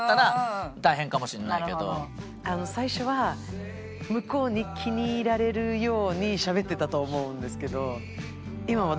最初は向こうに気に入られるようにしゃべってたと思うんですけど今はねっ。